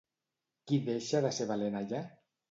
Qui deixa de ser valent allà?